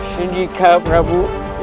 sini kak prabu